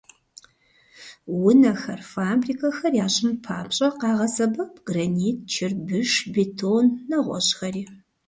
Унэхэр, фабрикэхэр ящӀын папщӀэ, къагъэсэбэп гранит, чырбыш, бетон, нэгъуэщӀхэри.